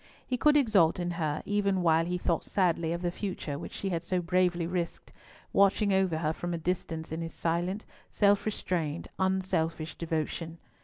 He could exult in her, even while he thought sadly of the future which she had so bravely risked, watching over her from a distance in his silent, self restrained, unselfish devotion.